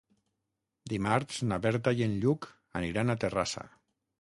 Dimarts na Berta i en Lluc aniran a Terrassa.